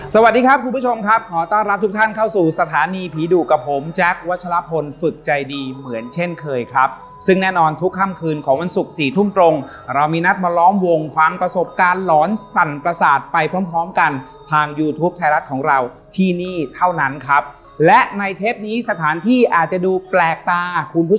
สวัสดีครับคุณผู้ชมครับขอต้อนรับทุกท่านเข้าสู่สถานีผีดุกับผมแจ๊ควัชลพลฝึกใจดีเหมือนเช่นเคยครับซึ่งแน่นอนทุกค่ำคืนของวันศุกร์สี่ทุ่มตรงเรามีนัดมาล้อมวงฟังประสบการณ์หลอนสั่นประสาทไปพร้อมพร้อมกันทางยูทูปไทยรัฐของเราที่นี่เท่านั้นครับและในเทปนี้สถานที่อาจจะดูแปลกตาคุณผู้